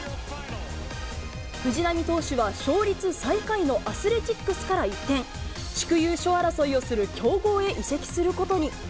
藤浪投手は、勝率最下位のアスレチックスから一転、地区優勝争いをする強豪へ移籍することに。